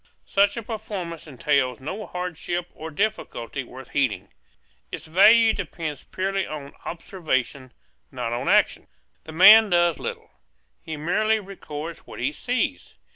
Such a performance entails no hardship or difficulty worth heeding. Its value depends purely on observation, not on action. The man does little; he merely records what he sees.